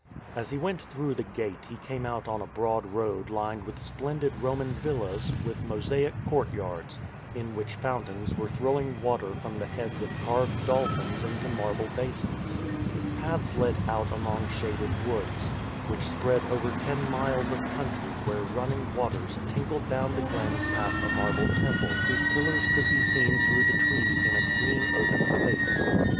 As he went through the gate he came out on a broad road lined with splendid Roman villas with mosaic courtyards, in which fountains were throwing water from the heads of carved dolphins into marble basins. Paths led out among shaded woods, which spread over ten miles of country where running waters tinkled down the glens past a marble temple, whose pillars could be seen through the trees in a green open space.